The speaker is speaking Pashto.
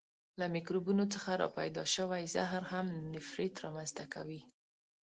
له میکروبونو څخه را پیدا شوی زهر هم نفریت را منځ ته کوي.